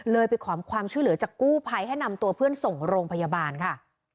ไปขอความช่วยเหลือจากกู้ภัยให้นำตัวเพื่อนส่งโรงพยาบาลค่ะ